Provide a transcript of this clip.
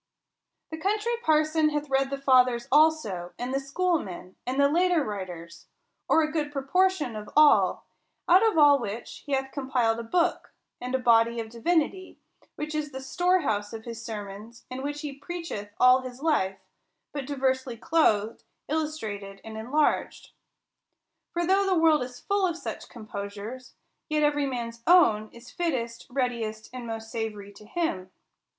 The Country Parson hath read the fathers also, and the schoolmen, and the later writers, or a good proportion of all: out of all which he hath compiled a book, and body of divinity, w^hich is the storehouse of his sermons, and which he preacheth all his life, but diversely clothed, illustrated, and enlarged. For though the world is full of such composures, yet every man's own is fittest, readiest, and most savory to him.